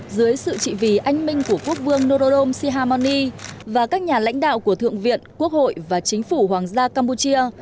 dưới sự trị vì anh minh của quốc vương norodom sihamoni và các nhà lãnh đạo của thượng viện quốc hội và chính phủ hoàng gia campuchia